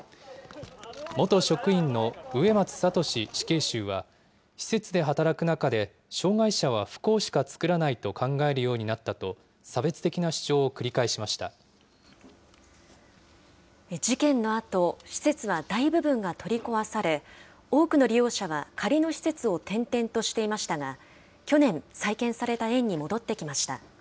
元職員の植松聖死刑囚は、施設で働く中で、障害者は不幸しか作らないと考えるようになったと、差別的な主張事件のあと、施設は大部分が取り壊され、多くの利用者は仮の施設を転々としていましたが、去年、再建された園に戻ってきました。